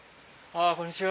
こんにちは。